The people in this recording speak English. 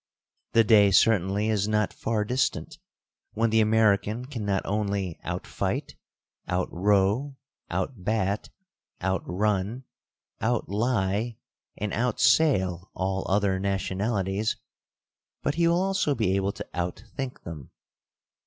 The day certainly is not far distant, when the American can not only out fight, out row, out bat, out run, out lie, and out sail all other nationalities; but he will also be able to out think them.